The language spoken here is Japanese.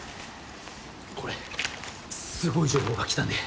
これすごい情報が来たんで。